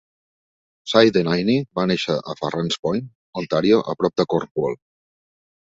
Cy Denneny va néixer a Farran's Point, Ontario, a prop de Cornwall.